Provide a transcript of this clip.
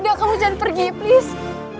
udah kamu jangan pergi please